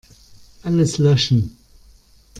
Alles löschen.